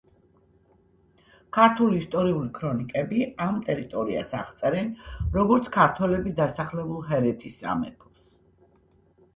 ქართული ისტორიული ქრონიკები ამ ტერიტორიას აღწერენ, როგორც ქართველებით დასახლებულ ჰერეთის სამეფოს.